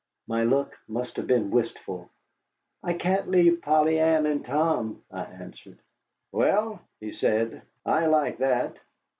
My look must have been wistful. "I can't leave Polly Ann and Tom," I answered. "Well," he said, "I like that.